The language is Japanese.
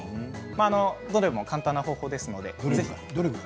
どれも簡単な方法ですので。